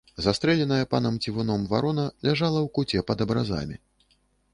Застрэленая панам цівуном варона ляжала ў куце пад абразамі.